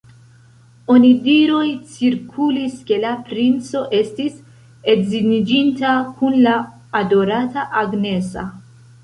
Onidiroj cirkulis ke la princo estis edziniĝinta kun la adorata Agnesa.